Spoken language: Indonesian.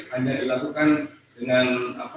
hanya dilakukan dengan